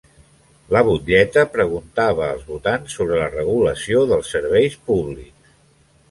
La butlleta preguntava els votants sobre la regulació dels serveis públics.